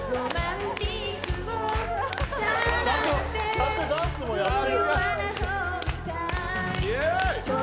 ちゃんとダンスもやってる。